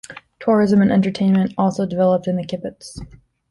Tourism and entertainment also developed in the kibbutz.